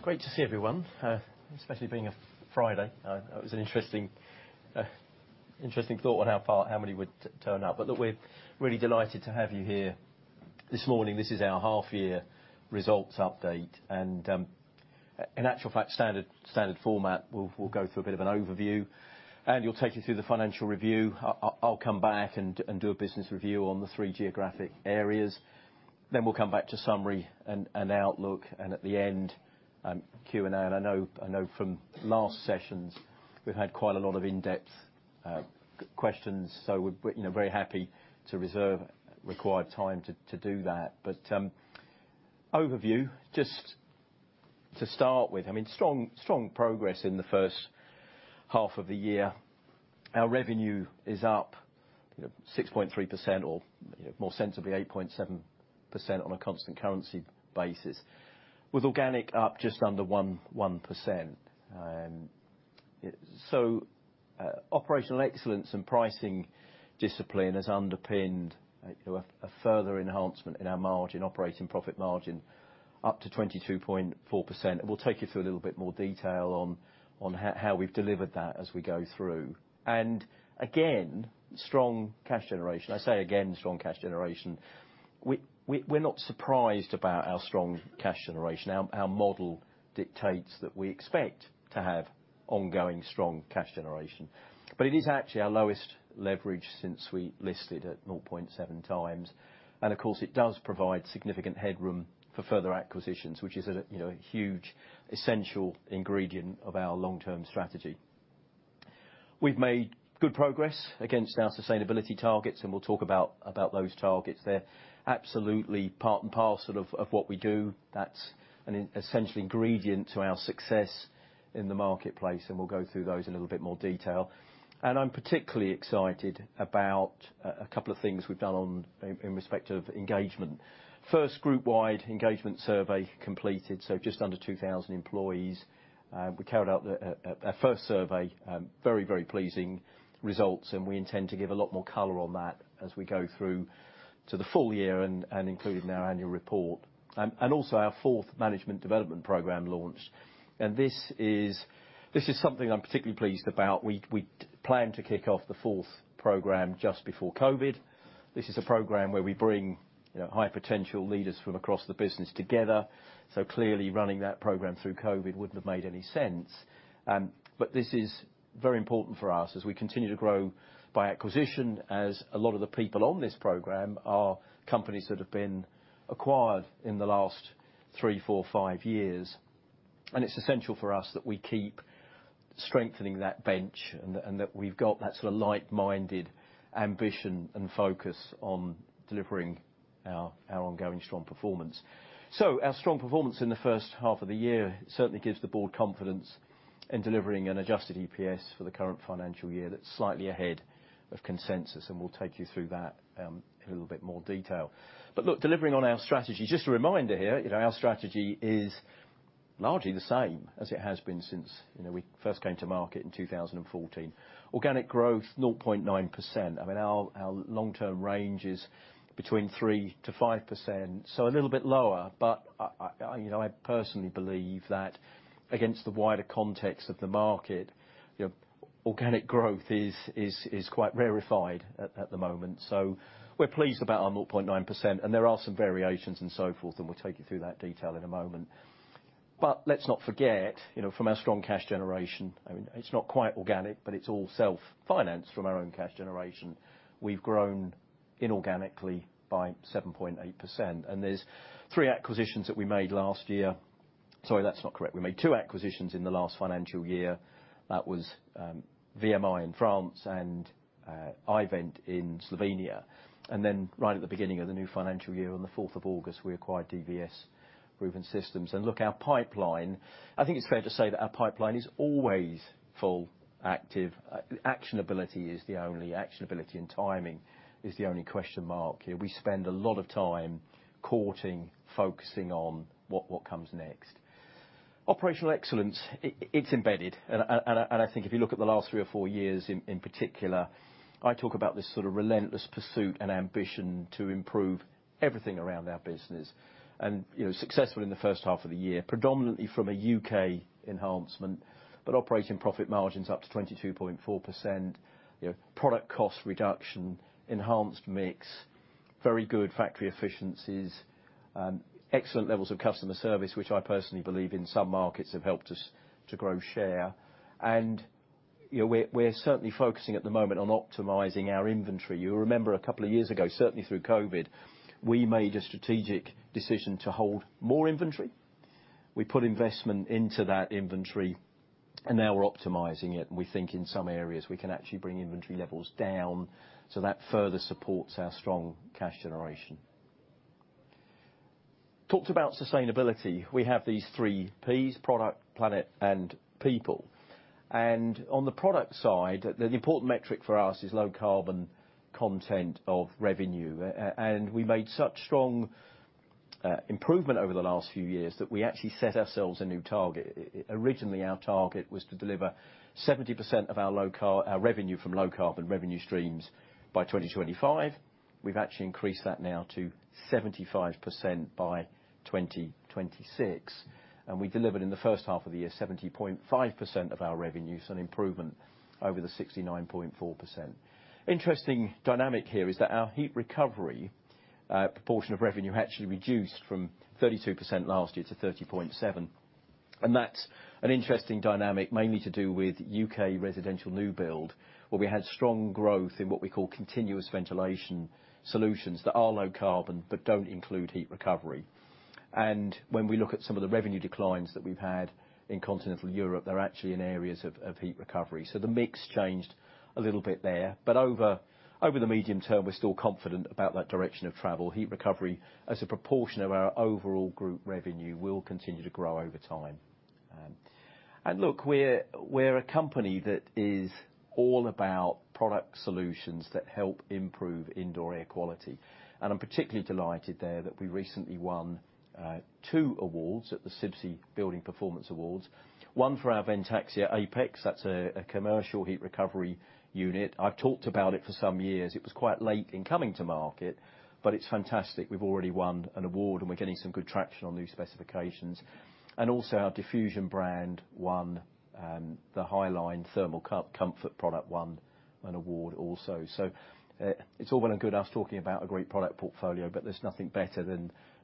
Great to see everyone, especially being a Friday. That was an interesting thought on our part, how many would turn up? But look, we're really delighted to have you here this morning. This is our half year results update, and in actual fact, standard format, we'll go through a bit of an overview, and we'll take you through the financial review. I'll come back and do a business review on the three geographic areas. Then we'll come back to summary and outlook, and at the end, Q&A. I know from last sessions, we've had quite a lot of in-depth questions, so we're, you know, very happy to reserve required time to do that. But overview, just to start with, I mean, strong progress in the first half of the year. Our revenue is up, you know, 6.3%, or, you know, more sensibly, 8.7% on a constant currency basis, with organic up just under 1%. So, operational excellence and pricing discipline has underpinned, you know, a further enhancement in our margin, operating profit margin, up to 22.4%. We'll take you through a little bit more detail on how we've delivered that as we go through. And again, strong cash generation. I say again, strong cash generation. We're not surprised about our strong cash generation. Our model dictates that we expect to have ongoing strong cash generation, but it is actually our lowest leverage since we listed at 0.7 times. Of course, it does provide significant headroom for further acquisitions, which is, you know, a huge essential ingredient of our long-term strategy. We've made good progress against our sustainability targets, and we'll talk about those targets. They're absolutely part and parcel of what we do. That's an essential ingredient to our success in the marketplace, and we'll go through those in a little bit more detail. I'm particularly excited about a couple of things we've done in respect of engagement. First, group-wide engagement survey completed, so just under 2,000 employees. We carried out our first survey, very, very pleasing results, and we intend to give a lot more color on that as we go through to the full year and include in our annual report. And also our fourth management development program launched, and this is, this is something I'm particularly pleased about. We'd planned to kick off the fourth program just before COVID. This is a program where we bring, you know, high potential leaders from across the business together. So clearly, running that program through COVID wouldn't have made any sense. But this is very important for us as we continue to grow by acquisition, as a lot of the people on this program are companies that have been acquired in the last three, four, five years. And it's essential for us that we keep strengthening that bench, and, and that we've got that sort of like-minded ambition and focus on delivering our, our ongoing strong performance. So our strong performance in the first half of the year certainly gives the board confidence in delivering an adjusted EPS for the current financial year that's slightly ahead of consensus, and we'll take you through that, in a little bit more detail. But look, delivering on our strategy, just a reminder here, you know, our strategy is largely the same as it has been since, you know, we first came to market in 2014. Organic growth, 0.9%. I mean, our, our long-term range is between 3%-5%, so a little bit lower, but I, I, you know, I personally believe that against the wider context of the market, your organic growth is, is, is quite rarefied at, at the moment. So we're pleased about our 0.9%, and there are some variations and so forth, and we'll take you through that detail in a moment. But let's not forget, you know, from our strong cash generation, I mean, it's not quite organic, but it's all self-financed from our own cash generation. We've grown inorganically by 7.8%, and there's three acquisitions that we made last year. Sorry, that's not correct. We made two acquisitions in the last financial year. That was, VMI in France and, i-Vent in Slovenia. And then right at the beginning of the new financial year, on the fourth of August, we acquired DVS Ruwern Systems. And look, our pipeline, I think it's fair to say that our pipeline is always full, active. Actionability and timing is the only question mark here. We spend a lot of time courting, focusing on what comes next. Operational excellence, it's embedded, and I think if you look at the last three or four years in particular, I talk about this sort of relentless pursuit and ambition to improve everything around our business. You know, successful in the first half of the year, predominantly from a U.K. enhancement, but operating profit margin's up to 22.4%. You know, product cost reduction, enhanced mix, very good factory efficiencies, excellent levels of customer service, which I personally believe in some markets have helped us to grow share. You know, we're certainly focusing at the moment on optimizing our inventory. You remember a couple of years ago, certainly through COVID, we made a strategic decision to hold more inventory. We put investment into that inventory, and now we're optimizing it, and we think in some areas we can actually bring inventory levels down, so that further supports our strong cash generation. Talked about sustainability. We have these three Ps: product, planet, and people. And on the product side, the important metric for us is low carbon content of revenue, and we made such strong improvement over the last few years that we actually set ourselves a new target. Originally, our target was to deliver 70% of our revenue from low carbon revenue streams by 2025. We've actually increased that now to 75% by 2026, and we delivered in the first half of the year, 70.5% of our revenue, so an improvement over the 69.4%. Interesting dynamic here is that our heat recovery proportion of revenue actually reduced from 32% last year to 30.7%, and that's an interesting dynamic, mainly to do with U.K. residential new build, where we had strong growth in what we call continuous ventilation solutions, that are low carbon, but don't include heat recovery. And when we look at some of the revenue declines that we've had in continental Europe, they're actually in areas of heat recovery. So the mix changed a little bit there, but over the medium term, we're still confident about that direction of travel. Heat recovery, as a proportion of our overall group revenue, will continue to grow over time. And look, we're a company that is all about product solutions that help improve indoor air quality. And I'm particularly delighted there that we recently won two awards at the CIBSE Building Performance Awards. One for our Sentinel Apex, that's a commercial heat recovery unit. I've talked about it for some years. It was quite late in coming to market, but it's fantastic. We've already won an award, and we're getting some good traction on new specifications. And also, our Diffusion brand won the Highline 270 product won an award also. So, it's all well and good us talking about a great product portfolio, but there's nothing better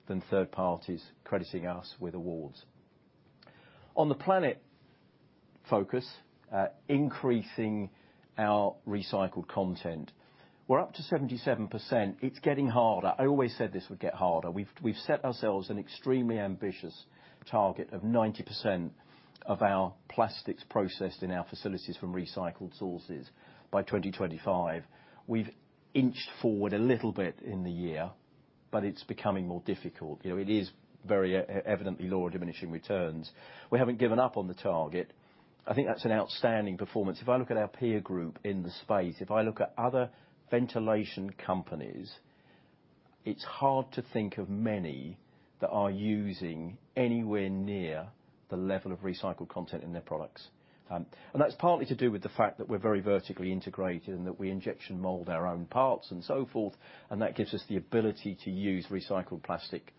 than third parties crediting us with awards. On the planet focus, increasing our recycled content, we're up to 77%. It's getting harder. I always said this would get harder. We've set ourselves an extremely ambitious target of 90% of our plastics processed in our facilities from recycled sources by 2025. We've inched forward a little bit in the year, but it's becoming more difficult. You know, it is very evidently law of diminishing returns. We haven't given up on the target. I think that's an outstanding performance. If I look at our peer group in the space, if I look at other ventilation companies, it's hard to think of many that are using anywhere near the level of recycled content in their products. And that's partly to do with the fact that we're very vertically integrated, and that we injection mold our own parts and so forth, and that gives us the ability to use recycled plastic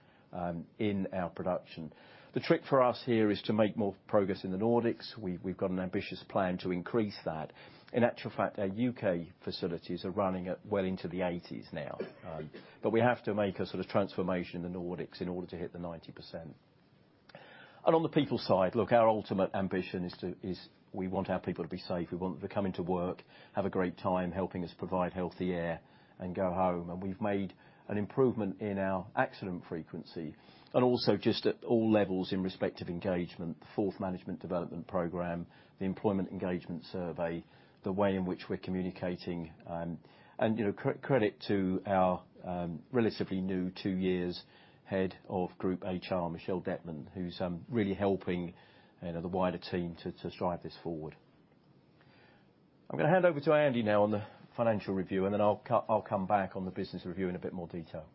in our production. The trick for us here is to make more progress in the Nordics. We've got an ambitious plan to increase that. In actual fact, our U.K. facilities are running at well into the 80s now. But we have to make a sort of transformation in the Nordics in order to hit the 90%. And on the people side, look, our ultimate ambition is to is we want our people to be safe. We want them to come into work, have a great time helping us provide healthy air, and go home. And we've made an improvement in our accident frequency, and also just at all levels in respective engagement, the fourth management development program, the employment engagement survey, the way in which we're communicating. And, you know, credit to our, relatively new, two years, head of group HR, Michelle Dettman, who's really helping the wider team to drive this forward. I'm gonna hand over to Andy now on the financial review, and then I'll come back on the business review in a bit more detail.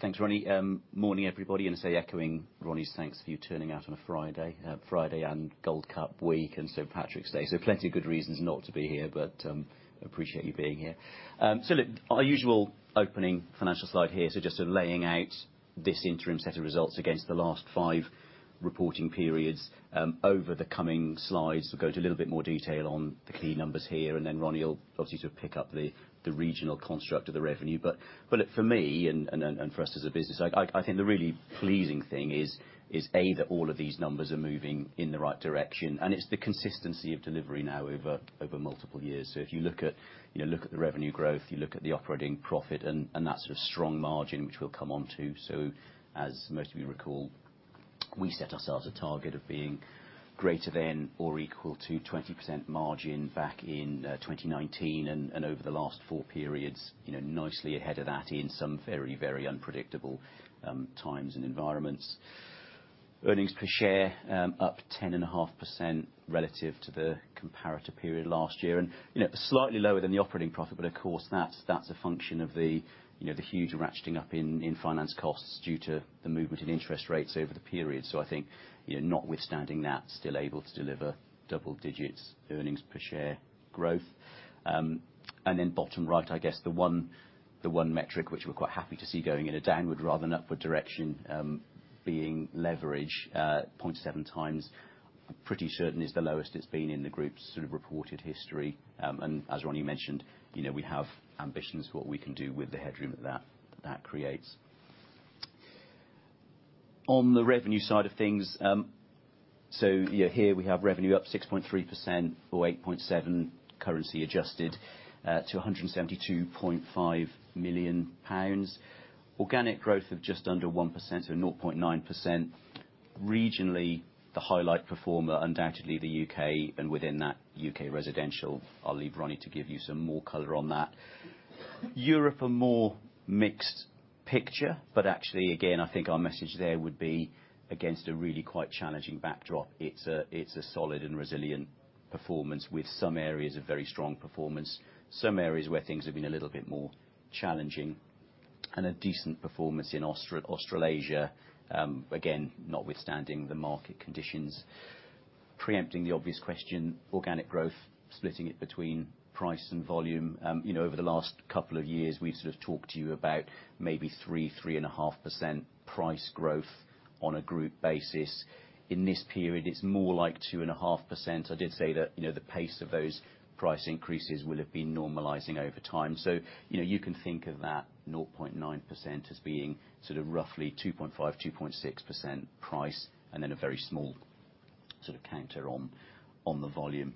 Thanks, Ronnie. Morning, everybody, and so echoing Ronnie's thanks for you turning out on a Friday. Friday and Gold Cup week, and St. Patrick's Day, so plenty of good reasons not to be here, but, appreciate you being here. So look, our usual opening financial slide here, so just laying out this interim set of results against the last five reporting periods. Over the coming slides, we'll go into a little bit more detail on the key numbers here, and then Ronnie, you'll obviously sort of pick up the, the regional construct of the revenue. But for me, and for us as a business, I think the really pleasing thing is, A, that all of these numbers are moving in the right direction, and it's the consistency of delivery now over multiple years. So if you look at, you know, look at the revenue growth, you look at the operating profit and, and that sort of strong margin, which we'll come on to. So as most of you recall, we set ourselves a target of being greater than or equal to 20% margin back in 2019, and, and over the last four periods, you know, nicely ahead of that in some very, very unpredictable times and environments. Earnings per share up 10.5% relative to the comparator period last year, and, you know, slightly lower than the operating profit, but of course, that's, that's a function of the, you know, the huge ratcheting up in, in finance costs due to the movement in interest rates over the period. So I think, you know, notwithstanding that, still able to deliver double-digit earnings per share growth. And then bottom right, I guess the one metric which we're quite happy to see going in a downward rather than upward direction, being leverage, 0.7 times, pretty certain is the lowest it's been in the group's sort of reported history. And as Ronnie mentioned, you know, we have ambitions for what we can do with the headroom that creates. On the revenue side of things, you know, here we have revenue up 6.3%, or 8.7% constant currency adjusted, to 172.5 million pounds. Organic growth of just under 1%, or 0.9%. Regionally, the highlight performer, undoubtedly the U.K., and within that, U.K. residential. I'll leave Ronnie to give you some more color on that. Europe, a more mixed picture, but actually, again, I think our message there would be against a really quite challenging backdrop. It's a solid and resilient performance with some areas of very strong performance, some areas where things have been a little bit more challenging, and a decent performance in Australasia, again, notwithstanding the market conditions. Preempting the obvious question, organic growth, splitting it between price and volume. You know, over the last couple of years, we've sort of talked to you about maybe 3, 3.5% price growth on a group basis. In this period, it's more like 2.5%. I did say that, you know, the pace of those price increases will have been normalizing over time. So, you know, you can think of that 0.9% as being sort of roughly 2.5-2.6% price, and then a very small sort of counter on the volume.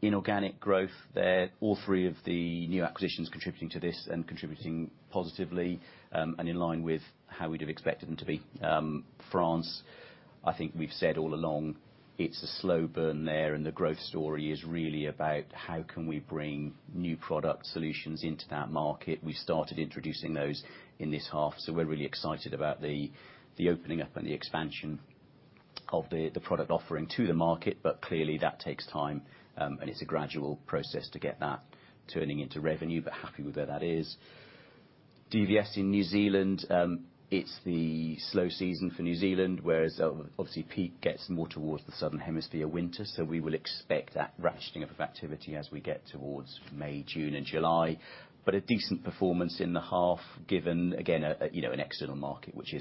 Inorganic growth there, all three of the new acquisitions contributing to this and contributing positively, and in line with how we'd have expected them to be. France, I think we've said all along, it's a slow burn there, and the growth story is really about: How can we bring new product solutions into that market? We started introducing those in this half, so we're really excited about the opening up and the expansion of the product offering to the market. But clearly, that takes time, and it's a gradual process to get that turning into revenue, but happy with where that is. DVS in New Zealand, it's the slow season for New Zealand, whereas obviously, peak gets more towards the Southern Hemisphere winter, so we will expect that ratcheting up of activity as we get towards May, June and July. But a decent performance in the half, given, again, a, you know, an external market, which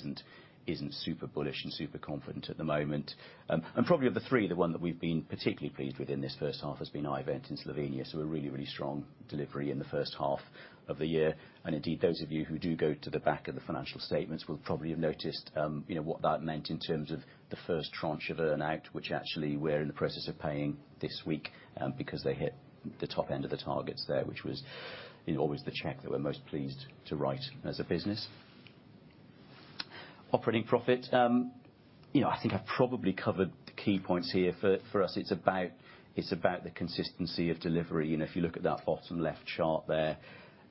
isn't super bullish and super confident at the moment. And probably of the three, the one that we've been particularly pleased with in this first half has been i-Vent in Slovenia, so a really, really strong delivery in the first half of the year. And indeed, those of you who do go to the back of the financial statements will probably have noticed, you know, what that meant in terms of the first tranche of earn out, which actually we're in the process of paying this week, because they hit the top end of the targets there, which was, you know, always the check that we're most pleased to write as a business. Operating profit, you know, I think I've probably covered the key points here. For us, it's about the consistency of delivery, you know, if you look at that bottom left chart there.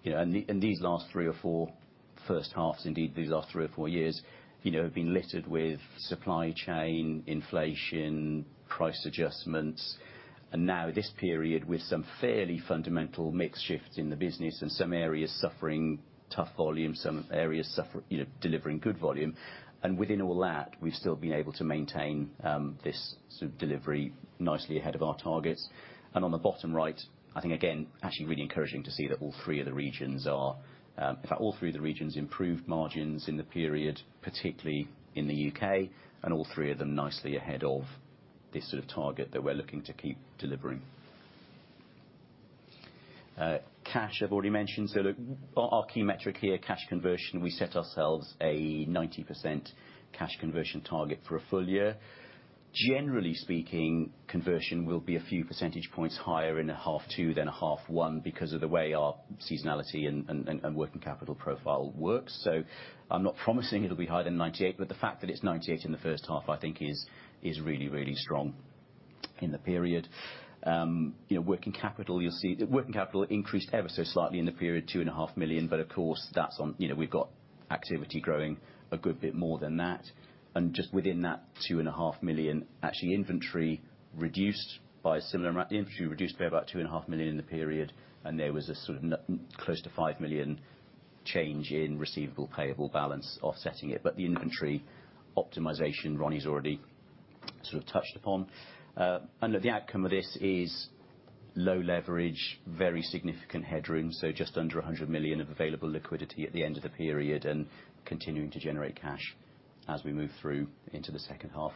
You know, these last three or four first halves, indeed, these last three or four years, you know, have been littered with supply chain, inflation, price adjustments, and now this period, with some fairly fundamental mix shifts in the business and some areas suffering tough volume, some areas you know, delivering good volume. And within all that, we've still been able to maintain this sort of delivery nicely ahead of our targets. And on the bottom right, I think again, actually really encouraging to see that all three of the regions are, in fact, all three of the regions improved margins in the period, particularly in the U.K., and all three of them nicely ahead of this sort of target that we're looking to keep delivering. Cash, I've already mentioned, so look, our key metric here, cash conversion, we set ourselves a 90% cash conversion target for a full year. Generally speaking, conversion will be a few percentage points higher in a half two than a half one because of the way our seasonality and working capital profile works. So I'm not promising it'll be higher than 98, but the fact that it's 98 in the first half, I think is really, really strong in the period. You know, working capital, you'll see that working capital increased ever so slightly in the period, 2.5 million, but of course, that's on, you know, we've got activity growing a good bit more than that. Just within that 2.5 million, actually, inventory reduced by a similar amount—inventory reduced by about 2.5 million in the period, and there was a sort of nearly close to 5 million change in receivable, payable balance offsetting it, but the inventory optimization, Ronnie's already sort of touched upon. And the outcome of this is low leverage, very significant headroom, so just under 100 million of available liquidity at the end of the period and continuing to generate cash as we move through into the second half.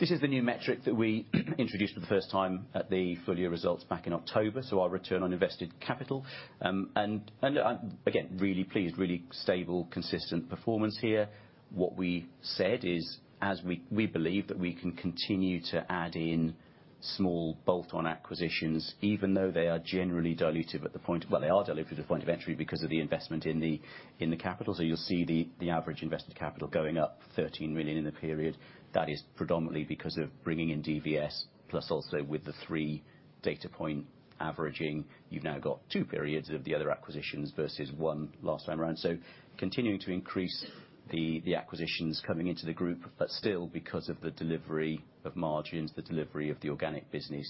This is the new metric that we introduced for the first time at the full year results back in October, so our return on invested capital. And again, really pleased, really stable, consistent performance here. What we said is, as we, we believe that we can continue to add in small bolt-on acquisitions, even though they are generally dilutive at the point... well, they are dilutive at the point of entry because of the investment in the, in the capital. So you'll see the, the average invested capital going up 13 million in the period. That is predominantly because of bringing in DVS, plus also with the three data point averaging. You've now got two periods of the other acquisitions versus one last time around. So continuing to increase the, the acquisitions coming into the group, but still because of the delivery of margins, the delivery of the organic business,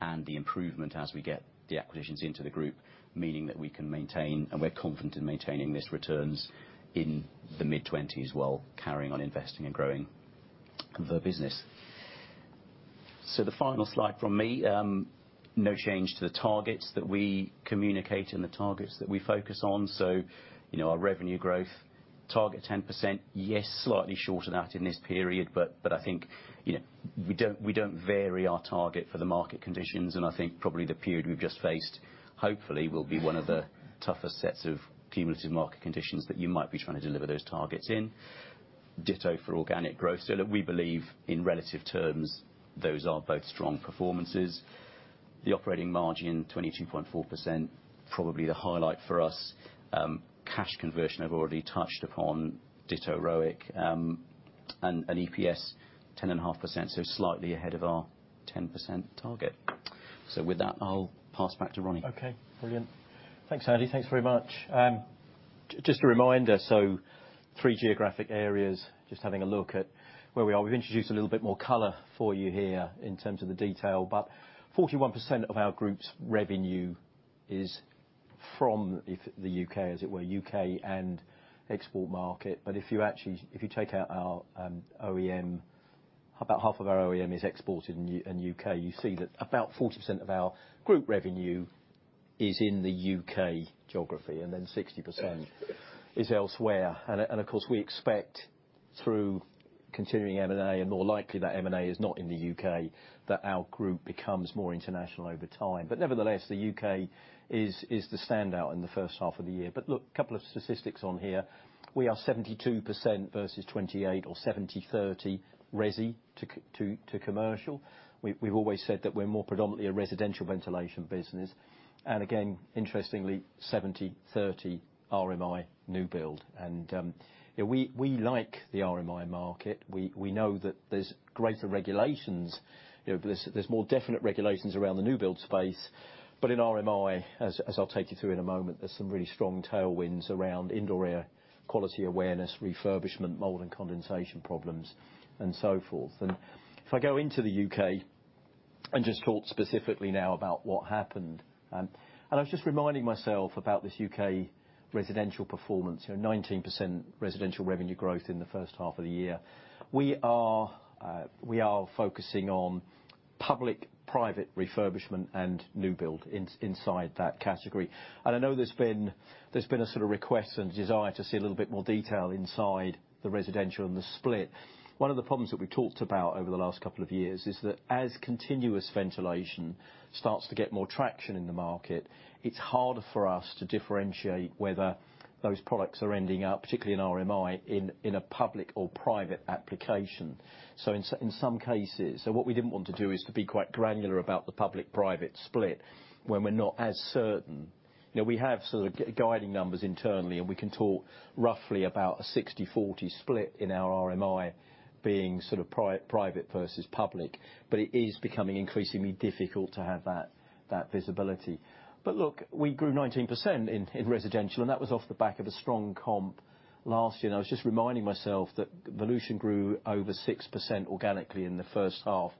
and the improvement as we get the acquisitions into the group, meaning that we can maintain, and we're confident in maintaining, these returns in the mid-twenties while carrying on investing and growing the business. So the final slide from me, no change to the targets that we communicate and the targets that we focus on. So, you know, our revenue growth target, 10%, yes, slightly short of that in this period, but I think, you know, we don't vary our target for the market conditions, and I think probably the period we've just faced hopefully will be one of the tougher sets of cumulative market conditions that you might be trying to deliver those targets in. Ditto for organic growth. So look, we believe in relative terms, those are both strong performances. The operating margin, 22.4%, probably the highlight for us. Cash conversion, I've already touched upon, ditto ROIC, and EPS 10.5%, so slightly ahead of our 10% target. So with that, I'll pass back to Ronnie. Okay, brilliant. Thanks, Andy. Thanks very much. Just a reminder, so three geographic areas, just having a look at where we are. We've introduced a little bit more color for you here in terms of the detail, but 41% of our group's revenue is from the U.K. as it were, U.K. and export market. But if you actually, if you take out our, OEM, about half of our OEM is exported in the U.K., you see that about 40% of our group revenue is in the U.K. geography, and then 60% is elsewhere. And of course, we expect through continuing M&A, and more likely that M&A is not in the U.K., that our group becomes more international over time. But nevertheless, the U.K. is the standout in the first half of the year. But look, a couple of statistics on here. We are 72% versus 28 or 70/30 resi to commercial. We've, we've always said that we're more predominantly a residential ventilation business, and again, interestingly, 70/30 RMI new build. And, yeah, we, we like the RMI market. We, we know that there's greater regulations, you know, there's, there's more definite regulations around the new build space, but in RMI, as, as I'll take you through in a moment, there's some really strong tailwinds around indoor air quality awareness, refurbishment, mold and condensation problems, and so forth. And if I go into the U.K. and just talk specifically now about what happened, and I was just reminding myself about this U.K. residential performance. You know, 19% residential revenue growth in the first half of the year. We are, we are focusing on public, private refurbishment and new build inside that category. And I know there's been a sort of request and desire to see a little bit more detail inside the residential and the split. One of the problems that we've talked about over the last couple of years is that as continuous ventilation starts to get more traction in the market, it's harder for us to differentiate whether those products are ending up, particularly in RMI, in a public or private application. So in some cases, so what we didn't want to do is to be quite granular about the public/private split when we're not as certain. You know, we have sort of guiding numbers internally, and we can talk roughly about a 60/40 split in our RMI being sort of private versus public, but it is becoming increasingly difficult to have that visibility. But look, we grew 19% in residential, and that was off the back of a strong comp last year, and I was just reminding myself that Volution grew over 6% organically in the first half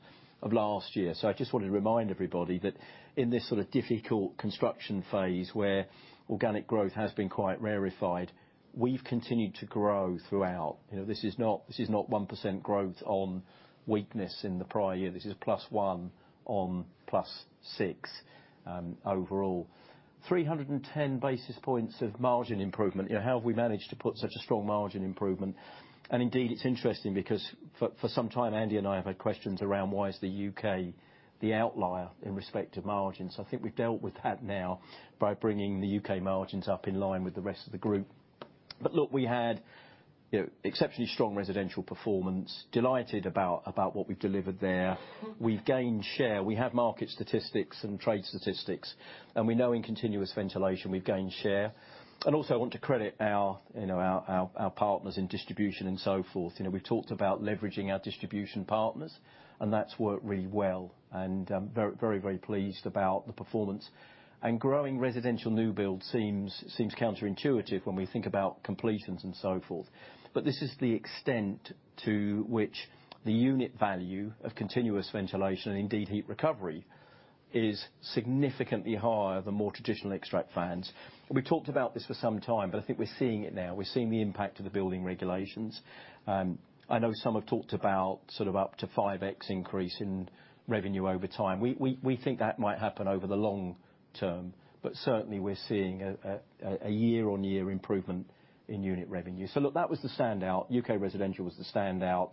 of last year. So I just wanted to remind everybody that in this sort of difficult construction phase, where organic growth has been quite rarefied, we've continued to grow throughout. You know, this is not, this is not 1% growth on weakness in the prior year. This is plus one on plus six, overall. 310 basis points of margin improvement. You know, how have we managed to put such a strong margin improvement? And indeed, it's interesting because for some time, Andy and I have had questions around why is the U.K. the outlier in respect to margins? I think we've dealt with that now by bringing the U.K. margins up in line with the rest of the group. But look, we had, you know, exceptionally strong residential performance, delighted about what we've delivered there. We've gained share, we have market statistics and trade statistics, and we know in continuous ventilation, we've gained share. And also, I want to credit our, you know, our partners in distribution and so forth. You know, we've talked about leveraging our distribution partners, and that's worked really well, and very, very, very pleased about the performance. And growing residential new build seems counterintuitive when we think about completions and so forth. But this is the extent to which the unit value of continuous ventilation, and indeed heat recovery, is significantly higher than more traditional extract fans. We talked about this for some time, but I think we're seeing it now. We're seeing the impact of the building regulations. I know some have talked about sort of up to 5x increase in revenue over time. We think that might happen over the long term, but certainly, we're seeing a year-on-year improvement in unit revenue. So look, that was the standout. U.K. residential was the standout,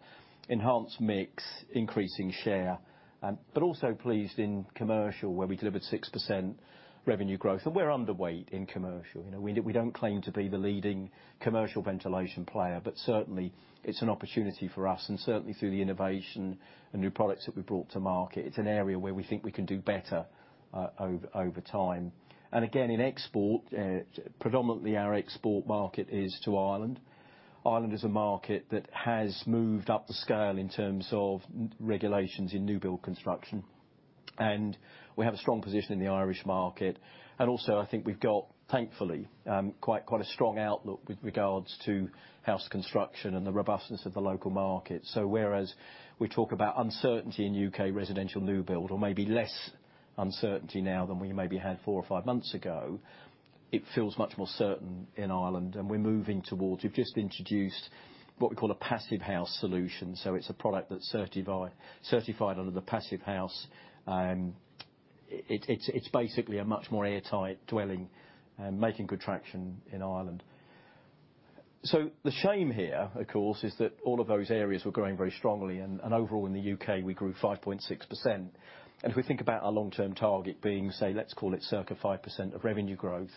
enhanced mix, increasing share, but also pleased in commercial, where we delivered 6% revenue growth, and we're underweight in commercial. You know, we don't claim to be the leading commercial ventilation player, but certainly, it's an opportunity for us, and certainly through the innovation and new products that we brought to market, it's an area where we think we can do better over time. And again, in export, predominantly, our export market is to Ireland. Ireland is a market that has moved up the scale in terms of regulations in new build construction, and we have a strong position in the Irish market. Also, I think we've got, thankfully, quite a strong outlook with regards to house construction and the robustness of the local market. Whereas we talk about uncertainty in U.K. residential new build, or maybe less uncertainty now than we maybe had four or five months ago, it feels much more certain in Ireland, and we're moving towards... We've just introduced what we call a Passive House solution, so it's a product that's certified under the Passive House. It, it's basically a much more airtight dwelling, making good traction in Ireland. So the shame here, of course, is that all of those areas were growing very strongly, and, and overall, in the U.K., we grew 5.6%. And if we think about our long-term target being, say, let's call it circa 5% of revenue growth,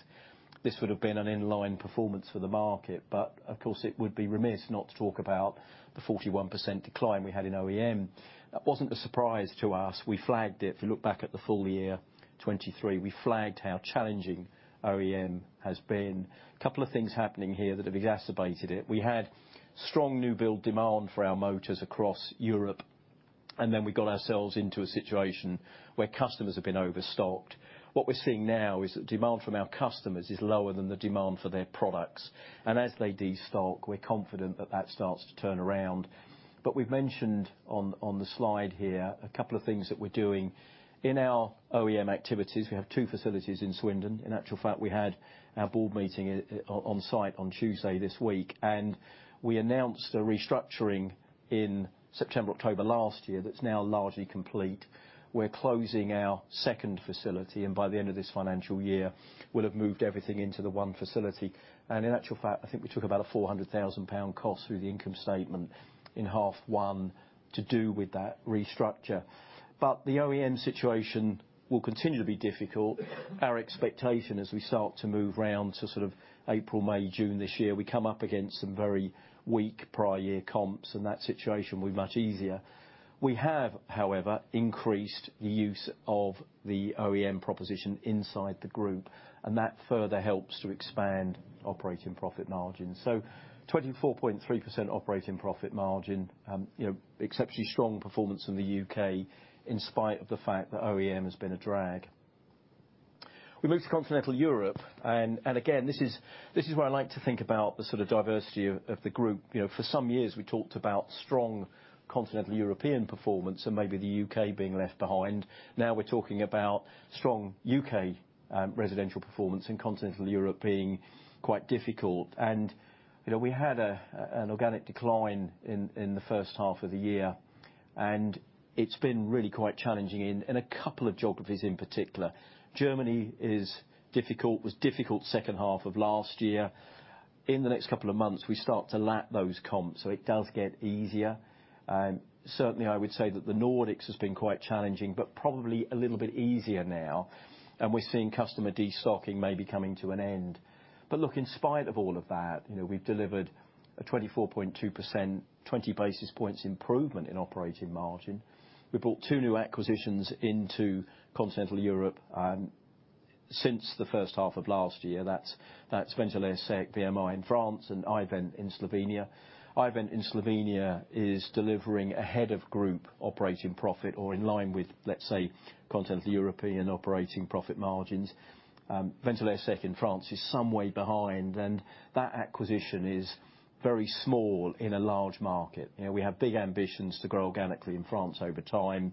this would have been an in-line performance for the market. But of course, it would be remiss not to talk about the 41% decline we had in OEM. That wasn't a surprise to us. We flagged it. If you look back at the full year 2023, we flagged how challenging OEM has been. A couple of things happening here that have exacerbated it. We had strong new build demand for our motors across Europe.... And then we got ourselves into a situation where customers have been overstocked. What we're seeing now is that demand from our customers is lower than the demand for their products, and as they destock, we're confident that that starts to turn around. But we've mentioned on, on the slide here a couple of things that we're doing. In our OEM activities, we have two facilities in Swindon. In actual fact, we had our board meeting, on, on site on Tuesday this week, and we announced a restructuring in September, October last year, that's now largely complete. We're closing our second facility, and by the end of this financial year, we'll have moved everything into the one facility. And in actual fact, I think we took about a 400,000 pound cost through the income statement in half one to do with that restructure. But the OEM situation will continue to be difficult. Our expectation as we start to move around to sort of April, May, June this year, we come up against some very weak prior year comps, and that situation will be much easier. We have, however, increased the use of the OEM proposition inside the group, and that further helps to expand operating profit margins. So 24.3% operating profit margin, you know, exceptionally strong performance in the U.K., in spite of the fact that OEM has been a drag. We move to Continental Europe, and again, this is where I like to think about the sort of diversity of the group. You know, for some years, we talked about strong Continental European performance and maybe the U.K. being left behind. Now, we're talking about strong U.K., residential performance and Continental Europe being quite difficult. You know, we had an organic decline in the first half of the year, and it's been really quite challenging in a couple of geographies in particular. Germany is difficult, was difficult second half of last year. In the next couple of months, we start to lap those comps, so it does get easier. Certainly, I would say that the Nordics has been quite challenging, but probably a little bit easier now, and we're seeing customer destocking maybe coming to an end. But look, in spite of all of that, you know, we've delivered a 24.2%, 20 basis points improvement in operating margin. We brought 2 new acquisitions into Continental Europe since the first half of last year. That's Ventilation BMI in France and i-Vent in Slovenia. i-Vent in Slovenia is delivering ahead of group operating profit or in line with, let's say, Continental European operating profit margins. Ventilation in France is some way behind, and that acquisition is very small in a large market. You know, we have big ambitions to grow organically in France over time.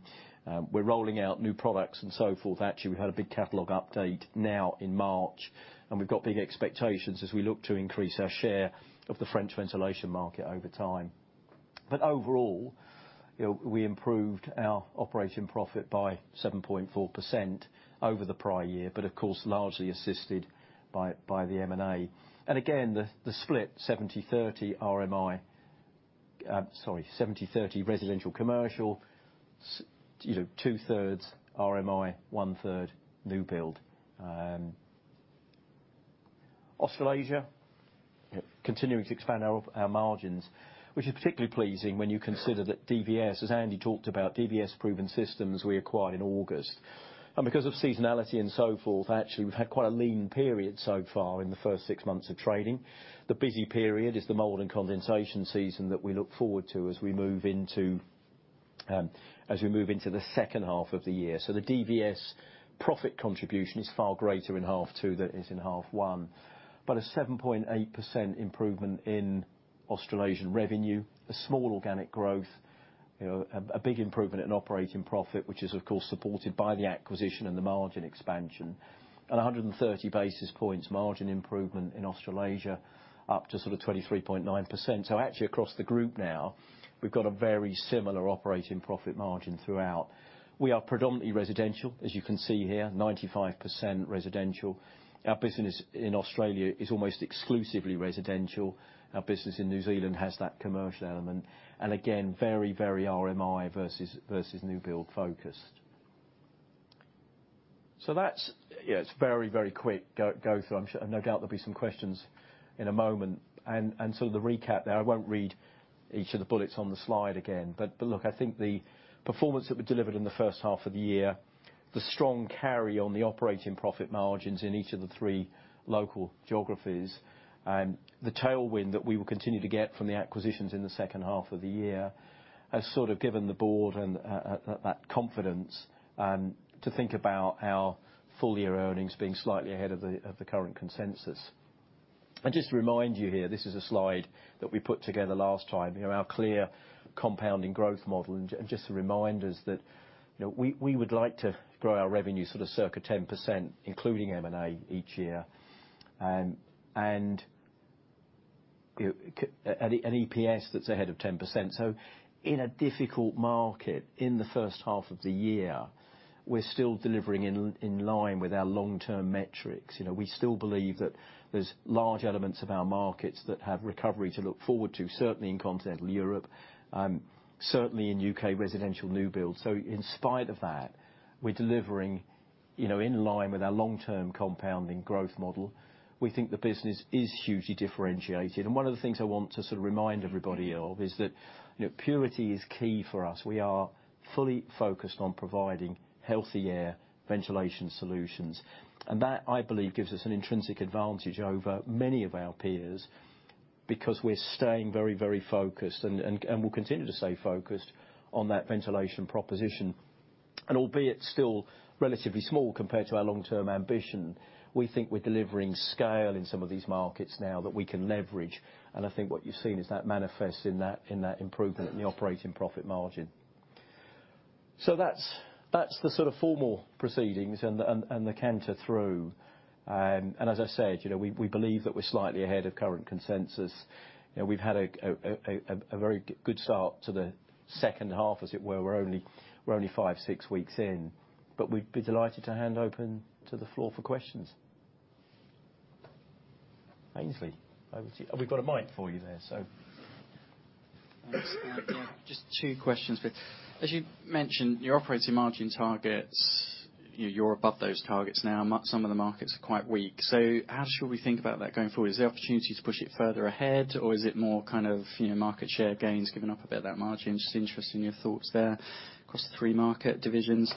We're rolling out new products and so forth. Actually, we had a big catalog update now in March, and we've got big expectations as we look to increase our share of the French ventilation market over time. But overall, you know, we improved our operating profit by 7.4% over the prior year, but of course, largely assisted by, by the M&A. And again, the, the split 70/30 RMI, sorry, 70/30 residential, commercial, you know, 2/3 RMI, 1/3 new build. Australasia, continuing to expand our margins, which is particularly pleasing when you consider that DVS, as Andy talked about, DVS Proven Systems we acquired in August. And because of seasonality and so forth, actually, we've had quite a lean period so far in the first six months of trading. The busy period is the mold and condensation season that we look forward to as we move into the second half of the year. So the DVS profit contribution is far greater in half two than it is in half one, but a 7.8% improvement in Australasian revenue, a small organic growth, you know, a big improvement in operating profit, which is, of course, supported by the acquisition and the margin expansion, and a 130 basis points margin improvement in Australasia, up to sort of 23.9%. So actually, across the group now, we've got a very similar operating profit margin throughout. We are predominantly residential, as you can see here, 95% residential. Our business in Australia is almost exclusively residential. Our business in New Zealand has that commercial element, and again, very RMI versus new build focused. So that's, yeah, it's very quick go through. I'm sure, no doubt there'll be some questions in a moment. And so the recap there, I won't read each of the bullets on the slide again. But look, I think the performance that we delivered in the first half of the year, the strong carry on the operating profit margins in each of the three local geographies, the tailwind that we will continue to get from the acquisitions in the second half of the year, has sort of given the board and that confidence to think about our full-year earnings being slightly ahead of the current consensus. And just to remind you here, this is a slide that we put together last time, you know, our clear compounding growth model. Just to remind us that, you know, we would like to grow our revenue sort of circa 10%, including M&A, each year, and, you know, an EPS that's ahead of 10%. So in a difficult market, in the first half of the year, we're still delivering in line with our long-term metrics. You know, we still believe that there's large elements of our markets that have recovery to look forward to, certainly in Continental Europe, certainly in U.K. residential new build. So in spite of that, we're delivering, you know, in line with our long-term compounding growth model. We think the business is hugely differentiated, and one of the things I want to sort of remind everybody of is that, you know, purity is key for us. We are fully focused on providing healthy air ventilation solutions, and that, I believe, gives us an intrinsic advantage over many of our peers... because we're staying very, very focused, and we'll continue to stay focused on that ventilation proposition. And albeit still relatively small compared to our long-term ambition, we think we're delivering scale in some of these markets now that we can leverage. And I think what you've seen is that manifests in that improvement in the operating profit margin. So that's the sort of formal proceedings and the canter through. And as I said, you know, we believe that we're slightly ahead of current consensus, and we've had a very good start to the second half, as it were. We're only five, six weeks in, but we'd be delighted to hand open to the floor for questions. Ainsley, over to you. We've got a mic for you there, so. Thanks. Just two questions. But as you mentioned, your operating margin targets, you're above those targets now. Some of the markets are quite weak, so how should we think about that going forward? Is there opportunity to push it further ahead, or is it more kind of, you know, market share gains giving up about that margin? Just interested in your thoughts there across the three market divisions.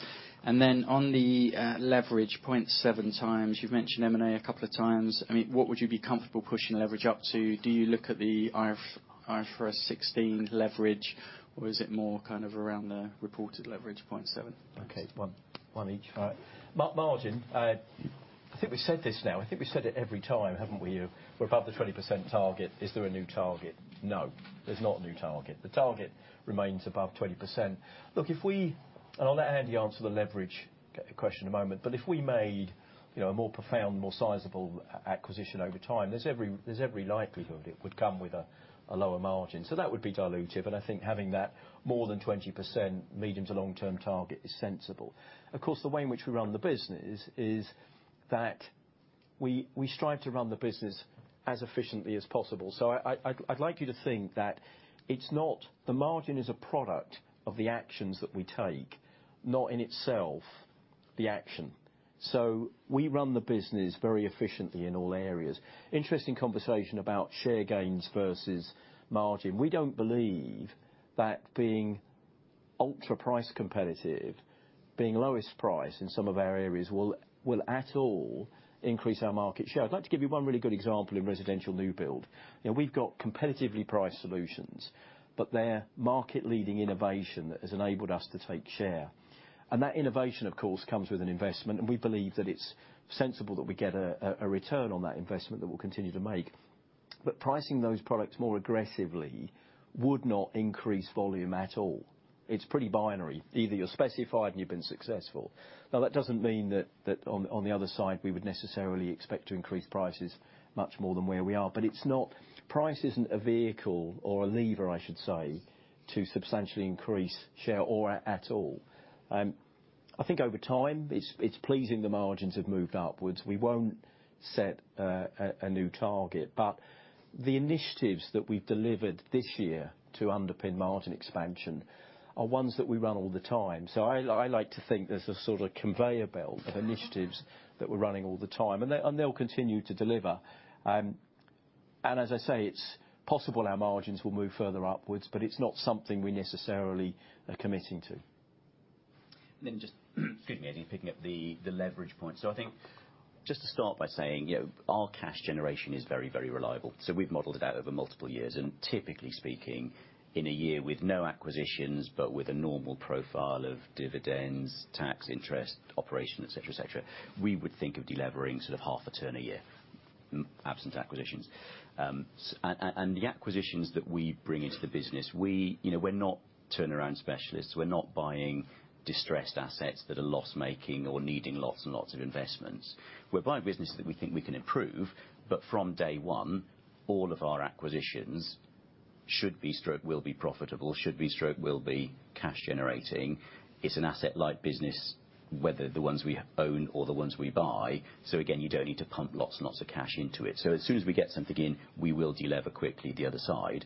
And then on the leverage, 0.7x, you've mentioned M&A a couple of times. I mean, what would you be comfortable pushing leverage up to? Do you look at the IFRS 16 leverage, or is it more kind of around the reported leverage 0.7? Okay, 1, 1 each. All right. Margin, I think we've said this now, I think we've said it every time, haven't we, you? We're above the 20% target. Is there a new target? No, there's not a new target. The target remains above 20%. Look, if we... And I'll let Andy answer the leverage question in a moment, but if we made, you know, a more profound, more sizable acquisition over time, there's every likelihood it would come with a lower margin. So that would be dilutive, and I think having that more than 20% medium to long-term target is sensible. Of course, the way in which we run the business is that we strive to run the business as efficiently as possible. So I'd like you to think that it's not-- the margin is a product of the actions that we take, not in itself the action. So we run the business very efficiently in all areas. Interesting conversation about share gains versus margin. We don't believe that being ultra price competitive, being lowest price in some of our areas, will at all increase our market share. I'd like to give you one really good example in residential new build. You know, we've got competitively priced solutions, but they're market-leading innovation that has enabled us to take share. And that innovation, of course, comes with an investment, and we believe that it's sensible that we get a return on that investment that we'll continue to make. But pricing those products more aggressively would not increase volume at all. It's pretty binary. Either you're specified, and you've been successful. Now, that doesn't mean that on the other side, we would necessarily expect to increase prices much more than where we are. But it's not. Price isn't a vehicle or a lever, I should say, to substantially increase share or at all. I think over time, it's pleasing the margins have moved upwards. We won't set a new target, but the initiatives that we've delivered this year to underpin margin expansion are ones that we run all the time. So I like to think there's a sort of conveyor belt of initiatives that we're running all the time, and they'll continue to deliver. And as I say, it's possible our margins will move further upwards, but it's not something we necessarily are committing to. Then just, excuse me, Andy, picking up the leverage point. So I think just to start by saying, you know, our cash generation is very, very reliable, so we've modeled it out over multiple years, and typically speaking, in a year with no acquisitions, but with a normal profile of dividends, tax, interest, operation, et cetera, et cetera, we would think of delevering sort of half a turn a year, absent acquisitions. And the acquisitions that we bring into the business, you know, we're not turnaround specialists. We're not buying distressed assets that are loss-making or needing lots and lots of investments. We're buying business that we think we can improve, but from day one, all of our acquisitions should be, stroke, will be profitable, should be, stroke, will be cash generating. It's an asset light business, whether the ones we own or the ones we buy. So again, you don't need to pump lots and lots of cash into it. So as soon as we get something in, we will delever quickly the other side.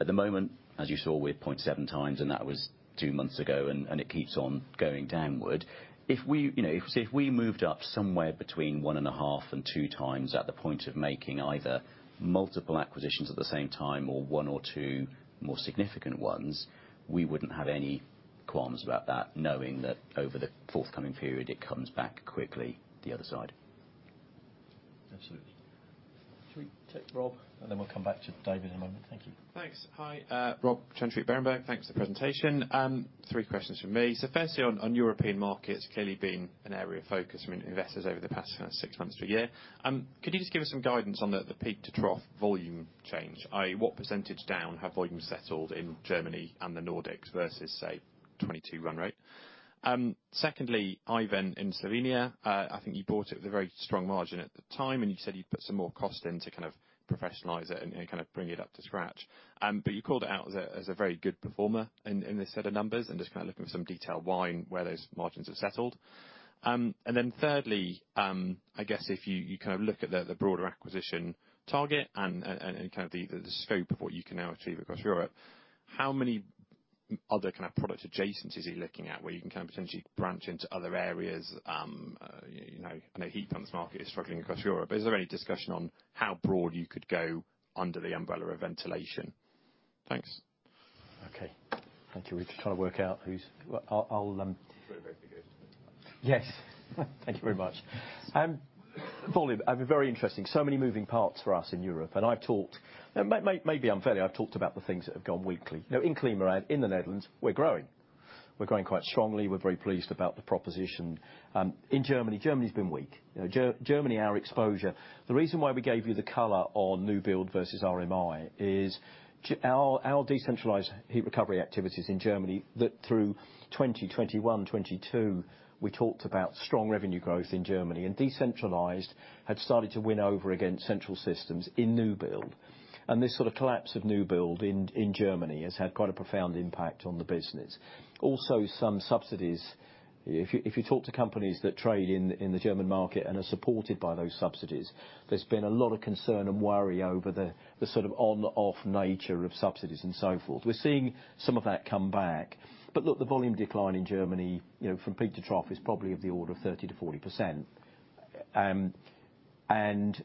At the moment, as you saw, we're at 0.7 times, and that was 2 months ago, and it keeps on going downward. If we, you know, so if we moved up somewhere between 1.5 and 2 times at the point of making either multiple acquisitions at the same time or one or two more significant ones, we wouldn't have any qualms about that, knowing that over the forthcoming period, it comes back quickly the other side. Absolutely. Should we take Rob, and then we'll come back to David in a moment? Thank you. Thanks. Hi, Robert Chantry, Berenberg. Thanks for the presentation. Three questions from me. So firstly, on, on European markets, clearly been an area of focus from investors over the past six months to a year. Could you just give us some guidance on the, the peak to trough volume change, i.e., what percentage down have volumes settled in Germany and the Nordics versus, say, 22 run rate? Secondly, i-Vent in Slovenia, I think you bought it at a very strong margin at the time, and you said you'd put some more cost in to kind of professionalize it and, and kind of bring it up to scratch. But you called it out as a, as a very good performer in, in this set of numbers, and just kind of looking for some detail why and where those margins are settled. And then thirdly, I guess if you kind of look at the broader acquisition target and kind of the scope of what you can now achieve across Europe, how many other kind of product adjacencies are you looking at, where you can kind of potentially branch into other areas? You know, I know heat pumps market is struggling across Europe, but is there any discussion on how broad you could go under the umbrella of ventilation? Thanks.... Okay, thank you. We're just trying to work out who's, well, I'll, I'll... Put it right against it. Yes, thank you very much. Volume, I mean, very interesting. So many moving parts for us in Europe, and I've talked, and maybe unfairly, I've talked about the things that have gone weakly. Now, in ClimaRad, in the Netherlands, we're growing. We're growing quite strongly. We're very pleased about the proposition. In Germany, Germany's been weak. You know, Germany, our exposure. The reason why we gave you the color on new build versus RMI is our, our decentralized heat recovery activities in Germany, that through 2021, 2022, we talked about strong revenue growth in Germany, and decentralized had started to win over against central systems in new build. And this sort of collapse of new build in, in Germany has had quite a profound impact on the business. Also, some subsidies, if you talk to companies that trade in the German market and are supported by those subsidies, there's been a lot of concern and worry over the sort of on, off nature of subsidies and so forth. We're seeing some of that come back. But look, the volume decline in Germany, you know, from peak to trough is probably of the order of 30%-40%. And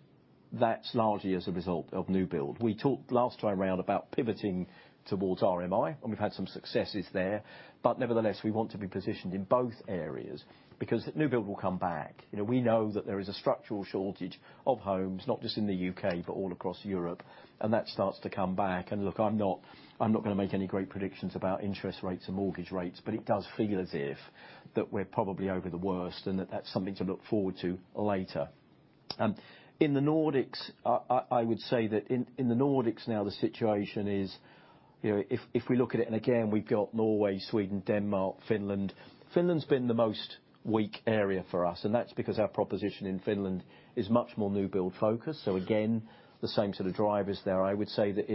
that's largely as a result of new build. We talked last time around about pivoting towards RMI, and we've had some successes there, but nevertheless, we want to be positioned in both areas because new build will come back. You know, we know that there is a structural shortage of homes, not just in the U.K., but all across Europe, and that starts to come back. And look, I'm not gonna make any great predictions about interest rates and mortgage rates, but it does feel as if we're probably over the worst and that's something to look forward to later. In the Nordics, I would say that in the Nordics now, the situation is, you know, if we look at it, and again, we've got Norway, Sweden, Denmark, Finland. Finland's been the most weak area for us, and that's because our proposition in Finland is much more new build focused. So again, the same sort of drivers there. I would say that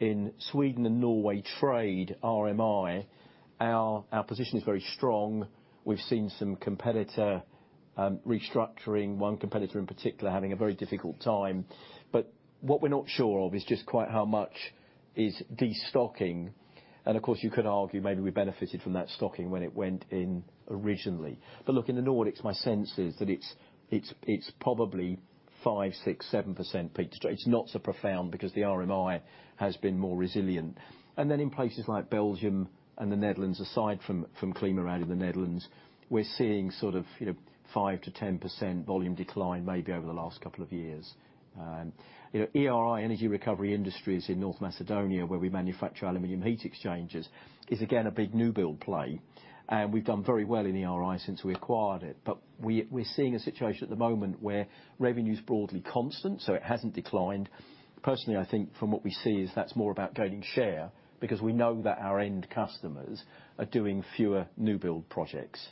in Sweden and Norway, trade RMI, our position is very strong. We've seen some competitor restructuring, one competitor in particular, having a very difficult time. But what we're not sure of is just quite how much is destocking, and of course, you could argue maybe we benefited from that stocking when it went in originally. But look, in the Nordics, my sense is that it's probably 5, 6, 7% peak to date. It's not so profound because the RMI has been more resilient. And then in places like Belgium and the Netherlands, aside from ClimaRad in the Netherlands, we're seeing sort of, you know, 5%-10% volume decline, maybe over the last couple of years. You know, ERI, Energy Recovery Industries in North Macedonia, where we manufacture aluminum heat exchangers, is again, a big new build play, and we've done very well in ERI since we acquired it. But we, we're seeing a situation at the moment where revenue's broadly constant, so it hasn't declined. Personally, I think from what we see is that's more about gaining share because we know that our end customers are doing fewer new build projects.